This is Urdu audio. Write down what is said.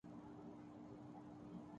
ایک رائے ہے۔